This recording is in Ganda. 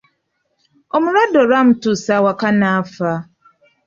Omulwadde olwamutuusa awaka n'afa!